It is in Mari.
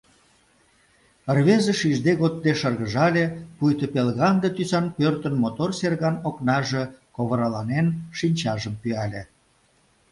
Рвезе шижде-годде шыргыжале — пуйто пелганде тӱсан пӧртын мотор серган окнаже, ковыраланен, шинчажым пӱяле.